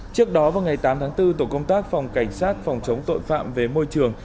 trước đó vào ngày tám tháng bốn tổ công tác phòng cảnh sát phòng chống tội phạm về môi trường